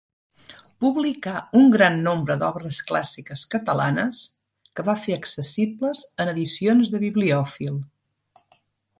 Publicà un gran nombre d'obres clàssiques catalanes, que va fer accessibles en edicions de bibliòfil.